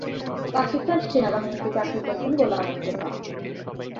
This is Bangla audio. পাকিস্তান সেনাবাহিনীতে চাকরি করতেন গোলাম মোস্তফা।